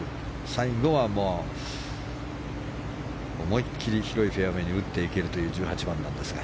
最後は思い切り広いフェアウェーに打っていけるという１８番なんですが。